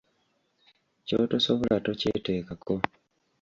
Ky'otosobola tokyeteekako.